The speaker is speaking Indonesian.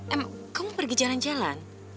emang kamu pergi jalan jalan